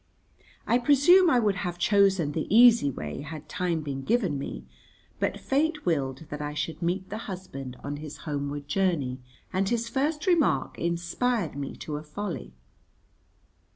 I presume I would have chosen the easy way had time been given me, but fate willed that I should meet the husband on his homeward journey, and his first remark inspired me to a folly.